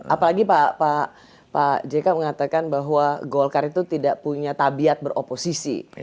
apalagi pak jk mengatakan bahwa golkar itu tidak punya tabiat beroposisi